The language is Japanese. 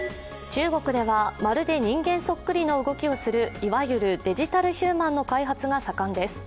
中国では、まるで人間そっくりの動きをするいわゆるデジタルヒューマンの開発が盛んです。